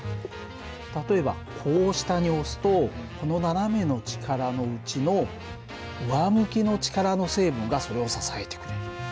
例えばこう下に押すとこの斜めの力のうちの上向きの力の成分がそれを支えてくれる。